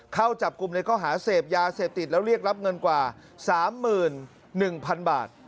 เข้าจับกลุ่มในข้อหาเสพยาเสพติดแล้วเรียกรับเงินกว่าสามหมื่นหนึ่งพันบาท